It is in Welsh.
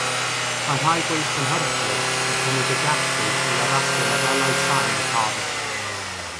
Mae rhai gweithgynhyrchwyr yn cynnig y gallu i addasu lefelau sain y corn.